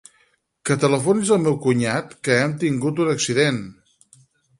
Que telefonis al meu cunyat, que hem tingut un accident.